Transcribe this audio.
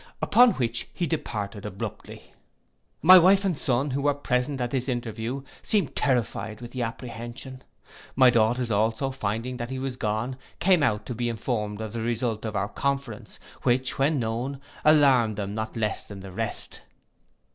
'—Upon which he departed abruptly. My wife and son, who were present at this interview, seemed terrified with the apprehension. My daughters also, finding that he was gone, came out to be informed of the result of our conference, which, when known, alarmed them not less than the rest.